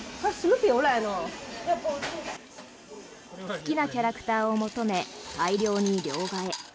好きなキャラクターを求め大量に両替。